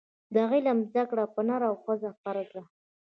د علم زده کړه پر نر او ښځه فرض ده.